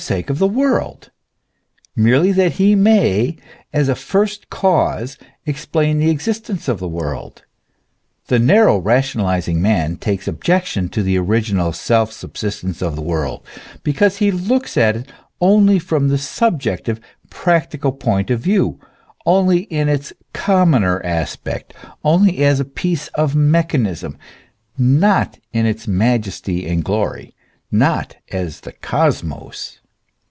sake of the world, merely that he may, as a First Cause, explain the existence of the world. The narrow rationalizing man takes objection to the original self subsistence of the world, because he looks at it only from the subjective, practical point of view, only in its commoner aspect, only as a piece of mechanism, not in its majesty and glory, not as the Cosmos.